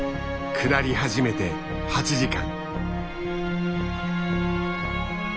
下り始めて８時間。